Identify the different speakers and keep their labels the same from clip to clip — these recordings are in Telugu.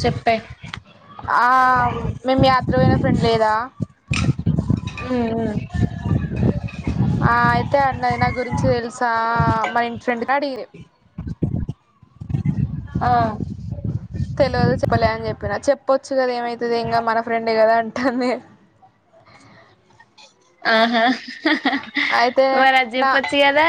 Speaker 1: చెప్పే
Speaker 2: ఆ మేం యాత్ర పోయిన ఫ్రెండ్ లేదా
Speaker 1: ఉ ఉ
Speaker 2: ఆ అయితే అన్నది నా గురించి తెలుసా మా ఇంటి ఫ్రెండ్ని అడిగిల్లు.
Speaker 1: ఆ
Speaker 2: తెలవదు చెప్పలే అని చెప్పినా, చెప్పొచ్చు కదా ఏమయితది ఏం కాదు మన ఫ్రెండే కదా అంటాది.
Speaker 1: ఆహా
Speaker 2: అయితే
Speaker 1: మరి అది
Speaker 2: నా
Speaker 1: జేపచ్చు క దా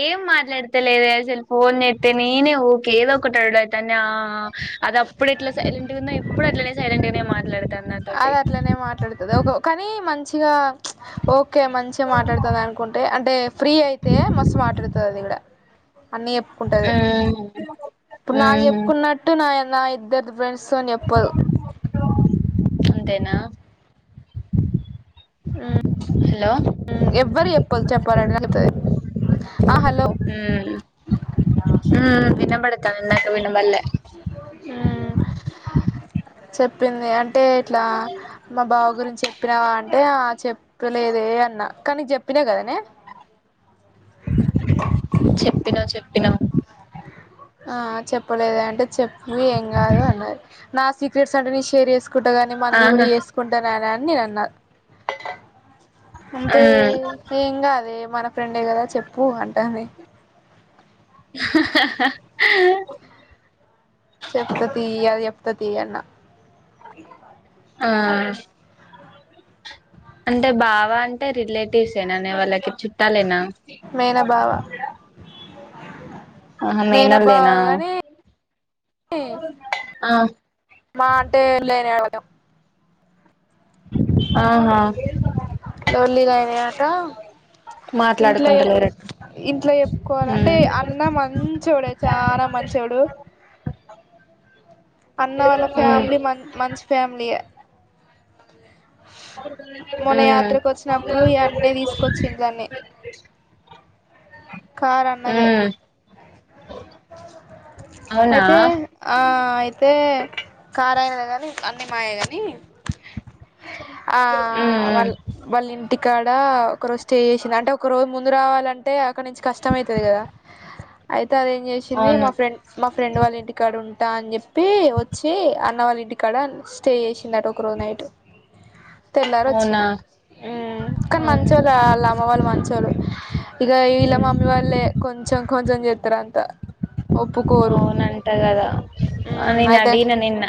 Speaker 1: ఏం మాట్లాడతేలేదే అసలు ఫోన్ జేత్తే నేనే ఊకే ఎదో ఒకటి అనుడు అయితాంది ఆ ఆ. అది అప్పుడు ఎట్లా సైలెంట్ గా ఉందో ఎప్పుడు అట్లనే సైలెంట్ గానే మాట్లాడతంది నాతోటి
Speaker 2: అది అట్లనే మాట్లాడుతది కానీ మంచిగా ఓకే మంచి గా మాట్లాడుతుంది అనుకుంటే అంటే ఫ్రీ అయితే మస్తు మాట్లాడుతది అది కూడా అన్నీ చెప్పుకుంటది ఇప్పుడు నాకు
Speaker 1: మ్మ్
Speaker 2: చెప్పుకున్న ట్టు నా నా ఇద్దరి ఫ్రెండ్స్తోని చెప్పదు
Speaker 1: అంతేనా హలో
Speaker 2: ఎవ్వరికి చెప్పదు చెప్పాలంట నాకు చెప్తది ఆ హలో
Speaker 1: హ వినబడతంది ఇందాక వినబల్లే
Speaker 2: హ చెప్పింది ఏ అంటే ఇట్లా మా బావ గురించి చెప్పినావా అంటే ఆ చెప్పలేదే అన్న కానీ నీకు చెప్పినా కదానే
Speaker 1: చెప్పినావు చెప్పినావు
Speaker 2: ఆ చెప్పలేదే అంటే చెప్పు ఏం కాదు అన్నది నా సీక్రెట్స్ అంటే నేను షేర్ చేసు కుంటగాని మంది కూడా
Speaker 1: ఆహా
Speaker 2: చేసుకుంటాన అని నేను అన్నా అంటే
Speaker 1: మ్మ్
Speaker 2: ఏం కాదే మన ఫ్రెండే కదా చెప్పు అంటది
Speaker 1: హా హా
Speaker 2: చెప్త తీ చెప్త తీ అన్న
Speaker 1: ఆ అంటే బావా అంటే రిలేటివ్స్ ఏనానే వాళ్ళకి చుట్టాలేనా
Speaker 2: మేనబావా
Speaker 1: ఆహా
Speaker 2: మేన బావ
Speaker 1: మేనోళ్ళేనా
Speaker 2: గానీ
Speaker 1: ఆ
Speaker 2: మా అంటే ఏం లేని
Speaker 1: ఆహా
Speaker 2: లొల్లి లైనయట ఇంట్లో చె
Speaker 1: మాట్లాడుకుంటలేరు
Speaker 2: ఇంట్లో చెప్పుకోవాలి అంటే
Speaker 1: ఉమ్
Speaker 2: అ అన్న మంచోడు చాలా మంచోడు అన్న వాళ్ళ
Speaker 1: ఉమ్
Speaker 2: ఫ్యామిలీ మ మంచి ఫ్యామిలీయే మొన్న యాత్రకు వచ్చినప్పుడు ఈ అన్నే తీసుకొచ్చిండు దాన్ని
Speaker 1: ఆ
Speaker 2: కార్ అన్నదే
Speaker 1: అవునా
Speaker 2: అయితే ఆ అయితే కార్ ఆయనదే కానీ అన్నీ మాయే కానీ ఆ
Speaker 1: ఉమ్ ఉమ్
Speaker 2: వాళ వల్ ఇంటి కాడ ఒక రోజు స్టే చేసింది అంటే ఒక రోజు ముందు రావాలంటే అక్కడ నుంచి కష్టం అవుతుంది కదా అయితే అదేం చేసింది
Speaker 1: అవును
Speaker 2: మా ఫ్రెండ్ మా ఫ్రెండ్ వాళ్ళ ఇంటికాడ ఉంటా అని చెప్పి వచ్చి అన్న వాళ్ళ ఇంటికాడ స్టే చేసింది అట ఒకరోజు నైట్ తెల్లారు
Speaker 1: అవునా
Speaker 2: వచ్చింది కానీ
Speaker 1: ఆ
Speaker 2: మంచోళ్ళు వాళ్ళ అమ్మ వాళ్ళు మంచోళ్ళు ఇగ ఇ ఇలా
Speaker 1: ఉమ్
Speaker 2: మమ్మీ వాళ్ళలే కొంచం కొంచం చెత్తరూ అంత ఒప్పుకోరు
Speaker 1: అవును అంటా కదా
Speaker 2: ఉమ్
Speaker 1: నేను
Speaker 2: అయితే
Speaker 1: అడిగిన నిన్న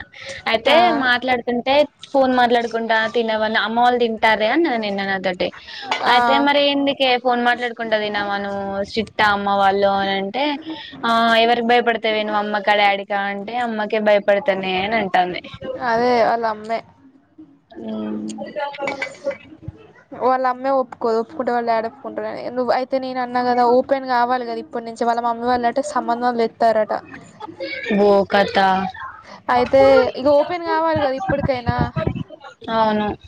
Speaker 1: అయితే
Speaker 2: ఆ
Speaker 1: మాట్లాడుతుంటే ఫోన్ మాట్లాడుకుంట తిన్నవన్న అమ్మ వాళ్ళు తింటార్రే అన్నది నిన్న నాతోటి
Speaker 2: ఆ
Speaker 1: అయితే మరి ఎందుకే ఫోన్ మాట్లాడుకుంటా పోయినవా నువ్వు స్టిక్టా అమ్మ వాళ్ళు అని అంటే ఆ ఎవరికి భయపడతావే నువ్ అమ్మకా డాడీకా అంటే అమ్మకే భయపడతానే అని అంటది
Speaker 2: అదే వాళ్ళ అమ్మే
Speaker 1: మ్
Speaker 2: వాళ్ళ అమ్మే ఒప్పుకోదు ఒప్పుకుంటే వాళ్ళు డాడీ ఒప్పుకుంటారు అయితే నేను అన్నా కదా ఓపెన్గావాలి కద ఇప్ ఇప్పుడు నుంచి వాళ్ళ మమ్మీ వాళ్ళ అంటే సంబధంలేప్తారట
Speaker 1: బో కథా
Speaker 2: అయితే ఇక ఓపెన్ కావాలి కదా ఇప్పటికైనా
Speaker 1: అవును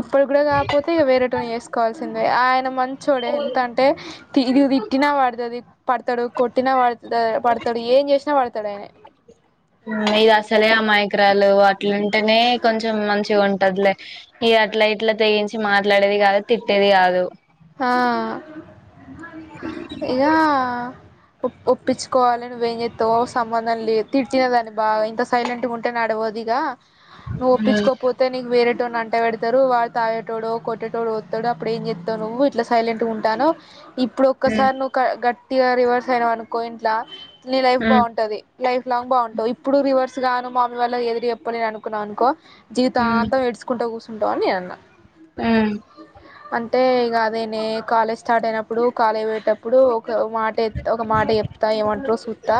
Speaker 2: ఇప్పుడు కూడా కాకపోతే ఇక వేరేటోని చేసుకోవాల్సిందే ఆయన మంచోడే ఎంత అంటే ఇది తిట్టినా పడుతుది పడతాడు కొట్టినా పడతా పడతాడు ఏం చేసినా పడతాడు ఆయన
Speaker 1: ఇది అసలే ఆ మాయకురాలు అట్లుంటేనే కొంచెం మంచిగా ఉంటదిలే ఇది అట్లా ఇట్లా తెగించి మాట్లాడేది కాదు తిట్టేది కాదు
Speaker 2: ఆ ఇగా ఒప్పించుకోవాలని నువ్వేం చెప్తావో సంబంధం లేదు తిట్టిన దాన్ని బాగా ఇంత సైలెంట్ గా ఉంట టనాడవదిగా నువ్వు
Speaker 1: ఉమ్
Speaker 2: ఒప్పించుకోపో త్తె నీకు వేరేటోణ్ణి అంటగడతారు వాడు తాయేటోడొ కొట్టేటోడు వత్తడు అపుడు ఏం చేత్ నువ్వు ఇట్లా సైలెంట్ గా ఉంటాను ఇప్పుడు
Speaker 1: ఉమ్
Speaker 2: ఒక్కసారి నువ్వు గట్టిగా రివర్స్ అయిన వనుకో ఇంట్లా నీ లైఫ్
Speaker 1: ఉమ్
Speaker 2: బాగుంటది లైఫ్ లాంగ్ బావుంటావు ఇప్పుడు రివర్స్ గాను మామీ వాళ్ళు ఎదురు చెప్పలేదు అనుకున్నా అనుకో
Speaker 1: ఉమ్
Speaker 2: జీవితాంతం ఎడ్చుకుంటా కూర్చుంటవ్ అని నేనన్న
Speaker 1: మ్
Speaker 2: అంటే ఇక అదే నే కాలేజ్ స్టార్ట్ అయినప్పుడు కాలేజ్ పోయేటప్పుడు ఒక మాట ఎత్ ఒక మాట చెప్ ఏమంటరో సూత్తా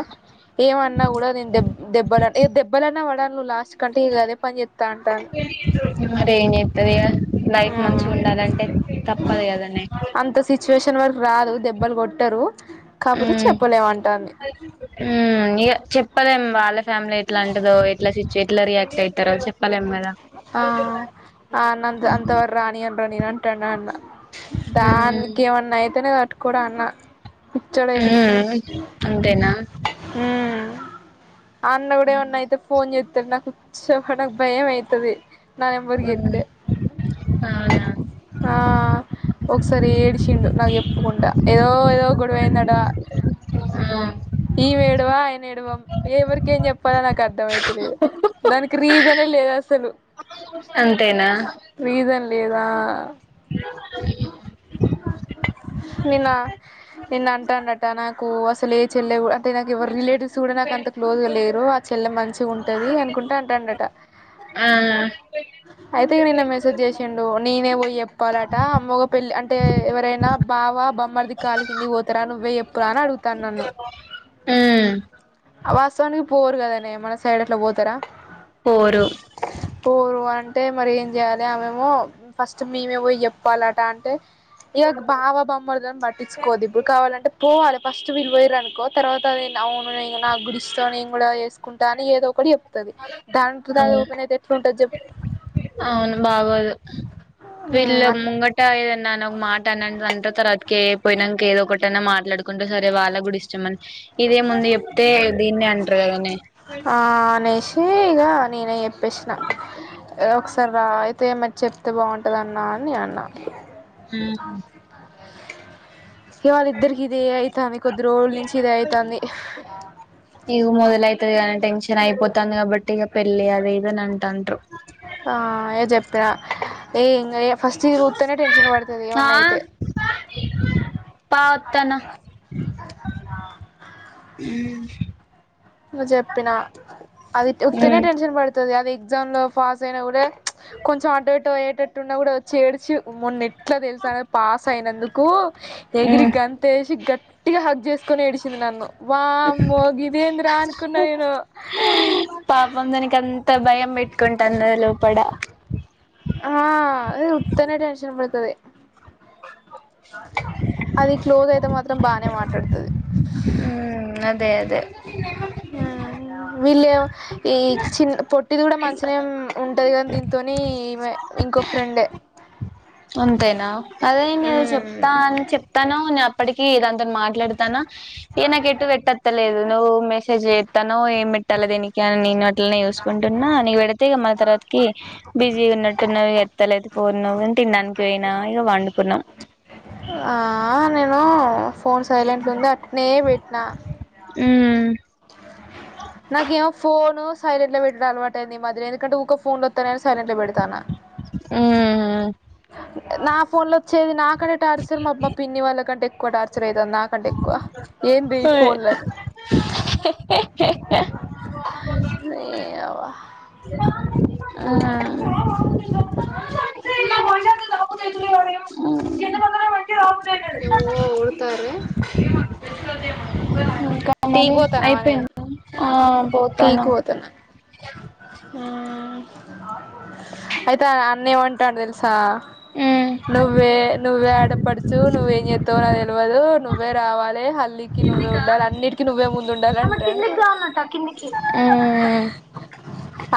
Speaker 2: ఏమన్నా కూడా నేె దెబ్బ దెబ్బలన్నా పడాల్ నువ్ లాస్ట్ కి కంటే ఇగ అదే పని చెప్తా అంటాను
Speaker 1: మరి ఏం చేత్తవే లైఫ్
Speaker 2: ఆ
Speaker 1: మంచిగా ఉండాలంటే తప్పదు కదనే
Speaker 2: సిచువేషన్ వరకు రాదు దెబ్బలు కొట్టరు కాకపోతే చెప్పలేమంటాంది
Speaker 1: మ్ చెప్పలేం వాళ్ళ ఫ్యామిలీ ఎట్లా అంటిదో ఎట్లా సిచ్యు ఎట్లా రియాక్ట్ అయితరో చెప్పలేం కదా
Speaker 2: ఆ అన్నంత అంతవర రానీయన్ర నేన అంటా న్నా అన్న బా
Speaker 1: ఉమ్
Speaker 2: నీకేమన్నా అయితేనే తట్టుకోడు అన్నా
Speaker 1: మ్ అంతేనా
Speaker 2: మ్ ఆ అన్న కూడా ఏమన్నా అయితే ఫోన్ చేత్తడు నాకుచ్చ నాకు భయం అవయితుది నా నెంబర్ కి
Speaker 1: ఉమ్
Speaker 2: చేత్తె
Speaker 1: అవునా
Speaker 2: ఆ ఒకసారి ఏడిచిండు నాకు ఎప్పకుండా ఏదో ఏదో గొడవైందడా
Speaker 1: ఆ
Speaker 2: ఈవ ఏడువా అయన ఏడువా ఎవరికేం చెప్పాలో నాకు అర్థం అయిత లేదు దానికి రీజనే లేదు అసలు
Speaker 1: అంతేనా
Speaker 2: రీజన్ లేదా నిన్న నిన్న అంటాండట నాకు అసలు చెల్లె అంటే నాకు ఎవరు రిలేటివ్స్ కూడా నాకు అంత క్లోజ్గా లేరు ఆ చెల్లె మంచిగా ఉంటుంది అనుకుంటా ఉంటాండట
Speaker 1: ఆ
Speaker 2: అయితే నిన్న మెసేజ్ చేసిండు నేనే పోయ్ చెప్పాల అ అమగ పెళ్ళి అంటే ఎవరైనా బావ బమ్మర్దిి కాాలకింది తరా నువ్వే ఎప్పురా అని అడుగుతాను నన్ను
Speaker 1: మ్
Speaker 2: ఆవాసనిక్ పోరు కదనే మన సైడ్ అట్లా పోతారా
Speaker 1: పోరు
Speaker 2: పోరు అంటే మరి ఏం చేయాలి ఆమేమో ఫస్ట్ మేమే పోయ్ చెప్ వాలట అంటే ఏ ఓక బావ బామర్దుల పట్టించుకోద్దు ఇప్పుడు కావాలంటే పోవాలి ఫస్ట్ వీళ్ళు పోయ్ర అనుకో తర్వాత అది అవును నా గుడిస్త నేన్ కూడా చేసుకుంటా అని ఏదో ఒకటి చేప్ తది దాం తుద
Speaker 1: అవును
Speaker 2: ఓపెన్ అయితే ఎట్లూటంది చెప్
Speaker 1: అవును బాగోదు వీలే
Speaker 2: చెప్పు
Speaker 1: ముంగట్ టా ఏదన్నా న్న ఒక మాట అన్నంత రతికే పోయినాంక ఏదో ఒకటనా మాట్లాడుకుంటే సరే వాళ్ళ కూడా ఇష్టమని ఇదే ముంది చెప్తే దీనే అంటరు కదనే
Speaker 2: ఆ అనేసి ఇగా నేనే చెప్పేసినా ఏ ఒకసారి రా అయితే మే చెప్తే బావుంటదన్న అన్ నే అన్నా ఇగ
Speaker 1: మ్మ్
Speaker 2: ఇవాళ ఇద్దరికి ఇది అయితంది కొద్ది రోల్నుంచి ఇదే అయితంది
Speaker 1: ఇగు మొదలైతది గద టెన్షనైపోతంద కాబట్టి పెళ్ళి అవి ఇదన్ అంటాన్రు
Speaker 2: ఆ యచప్పినా ఏ ఇంగై ఫస్ట్ ఇది పూతనే టెన్షన్ పడుతది ఏమన్నా అయితే
Speaker 1: పాత్తన మ్మ్
Speaker 2: ను్ చెప్పిన అదిట్ వుథీనే
Speaker 1: ఉమ్
Speaker 2: టెన్షన్ పడతది అది ఎగ్జామ్ లో పాస్ అయిన ఉరే కొంచెం అటు ఇటు అయ్యేటట్టున్నా కూడా వచి ఏడ్చు మొన్నె ఇట్లా తెలుస మే పాస్ అయినందుకు ఎగిరి
Speaker 1: ఉమ్
Speaker 2: గం తేసి గట్టిగా హగ్ చేసుకొని ఏడిచింది నన్ను వామ్ గిదేన్ది రా అనుకున్న నేను
Speaker 1: పాపం దానికి అంత భయం పెట్టుకుంటన్ దది లోపడ
Speaker 2: ఆ అది ఉత్తనే టెన్షన్ పడతది అది క్లోజ్ అయితే మాత్రం బానే మాట్లాడుతది
Speaker 1: మ్మ్ అదే అదే
Speaker 2: మ్మ్ వీళ్యో ఈ చిన్ పొట్టిది కూడా మంచినే ఉంటది గానీ దీంతోనీ ఇవే ఇంకొ ఫ్రెండే
Speaker 1: అంతేనా అదే నేను చెప్తాన్ చెప్తానే ఉంది అప్పటికి దాతోన్ మాట్లాడతానా ఏ నకెటు వెట్టత్తలేదు నువ్ మెసేజెప్తనవ ఏమిట్టాల దేనిక అని నేన్ట్ యిట్లనే చూసుకుంటున్నా నీకు పెడితే మళ తర్వాతకి బిజీ ఉన్నట్టున్నవే ఎత్తలేదు ఫోన్ నువు తిన్డానికి పోయినా ఇక వండుకున్నాం
Speaker 2: ఆ నేను ఫోన్ సైలెంట్ లొ ఉంది అట్నే పెట్న
Speaker 1: మ్మ్
Speaker 2: నాకేమో ఫోన్ సైలెంట్ లో పెటుడు అలవాటైన్ది ఈ మధ్య నా ఎందుకంటే ఊకె ఫోన్ లొతనాయి అని సైలెంట్ లో పెడతాన నా ఫోన్ లోచ్చేది నా కడే టార్ సార్ మాక్ మా అమ్మ పిన్ని వాళ్ళకంటే ఎక్కువ టార్చరయితన్ది నాకంటే ఎక్కువ ఏంది ఈ
Speaker 1: వేవ్
Speaker 2: ఫోన్లని
Speaker 1: హే హే హే హ్
Speaker 2: నీ అవా
Speaker 1: ఆఅ మ్మ్ [inaudible] ఒకనే [unintelligible]
Speaker 2: ఏవో ఒడతారే టి
Speaker 1: మరి
Speaker 2: కు పోతున్నా వనె
Speaker 1: అయిపోయిందా ఆ
Speaker 2: టి
Speaker 1: పోతాను
Speaker 2: కు పోతున్నా ఆ అయితే అన్న ఏమంటాడు తెలుసా
Speaker 1: ఊ
Speaker 2: నువ్వే నువ్వే ఆడపడుచు నువ్వేం చేతావు నా తెలివదు నువ్వే రావాలి హల్ నువ్వే ఉండాలి అన్నిటికి నువ్వే ముందు ఉండాలింటాను
Speaker 1: పోవాలంటకిందికి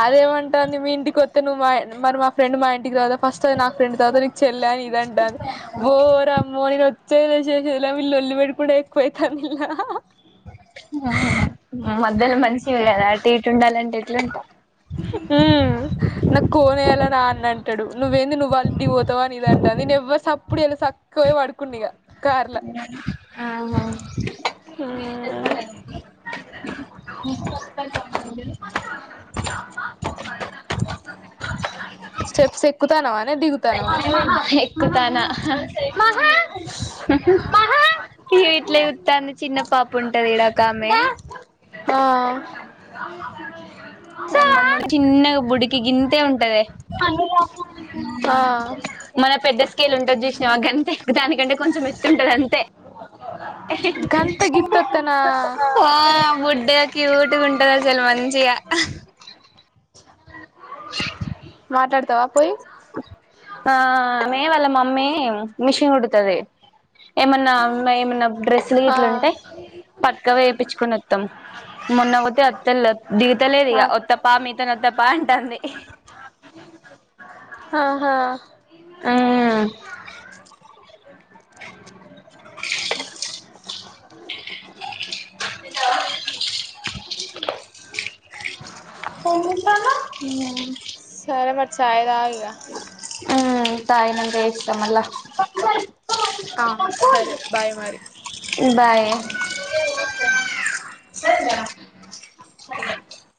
Speaker 2: అదేమంటాంది మీ ఇంటికోతె నువ్వు మా మరి మా ఫ్రెండ్ మా ఇంటికి రాదా ఫస్ట్ అది నాకు ఫ్రెండ్ తర్వాత నీకు చెల్లి అని ఇదంట అది బో రమ్మోని పెట్టేది లె చేసేలె వీళ్లు లొల్లిబడి లొల్లి పెట్టుకోనుడె ఎక్కువైతానుల్లా
Speaker 1: మధ్యలో మంచివి కదా అటు ఇటు ఉండాలంటే ఎట్లుంటా
Speaker 2: ఊ నాకు కోనేయ్యాల నా అన్న అంటాడు నువ్వేంది నువ్వు అని అని ఇది అంటది నేనువ్వరు సప్పుడు చెలా సక్కువే పడుకుండి ఇక కార్ల స్టెప్స్ ఎక్కుతానవానే దిగు
Speaker 1: ఎక్కుతానా ఈగ ఇట్లా చూద్దాది చిన్న పాపు ఉంటది ఇడ ఒక ఆమె
Speaker 2: ఆ
Speaker 1: చిన్నగా బుడికి గింతే ఉంటదె
Speaker 2: ఆ
Speaker 1: మన పెద్ద స్కేల్ ఉంటుంది చూసినవా గంతే దానికంటే కొంచెం ఎత్తు ఉంటంది అంతే
Speaker 2: గంత గిత్తత్తనా
Speaker 1: ఆ బుడ్డగా క్యూట్గా ఉంటంది అసలు మంచిగా
Speaker 2: మాట్లాడతవాపోయి
Speaker 1: ఆ మే వాళ్ళ మమ్మీ మిషన్ కుడుతది ఏమన్నా ఏమన్నా డ్రెస్సులు
Speaker 2: ఆ
Speaker 1: గీట్లు ఉంటే పట్క వొయి ఏపిచ్చుకొని వత్తాం మొన్న పోతే అత్త దిగుతలేదు
Speaker 2: ఆ
Speaker 1: వత్త పా మీతోనే వస్తా పా అంటుంది
Speaker 2: ఆహా
Speaker 1: ఆహ తింటావా ఏంది పాప
Speaker 2: సారె మరి చాయ్ తాగిర్రా
Speaker 1: హు తాగినంక చేస్తా మల్ల
Speaker 2: ఆ సరే బాయ్ మరి
Speaker 1: బాయ్